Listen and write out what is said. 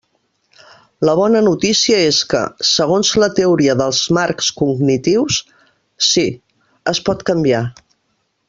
La bona notícia és que, segons la teoria dels marcs cognitius, sí, es pot canviar.